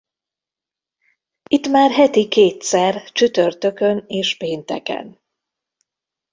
Itt már heti kétszer csütörtökön és pénteken.